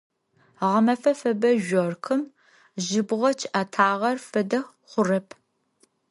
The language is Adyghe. Гъэмэфэ фэбэ жъоркъым жьыбгъэ чъыӏэтагъэр фэдэ хъурэп.